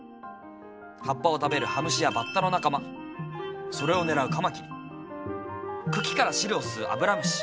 葉っぱを食べるハムシやバッタの仲間それを狙うカマキリ茎から汁を吸うアブラムシ